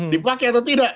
dipakai atau tidak